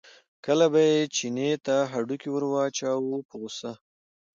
کله به یې چیني ته هډوکی ور واچاوه په غوسه.